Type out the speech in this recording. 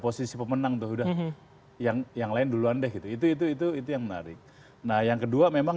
posisi pemenang tuh udah yang yang lain duluan deh gitu itu itu yang menarik nah yang kedua memang